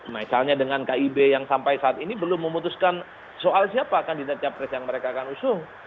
misalnya dengan kib yang sampai saat ini belum memutuskan soal siapa kandidat capres yang mereka akan usung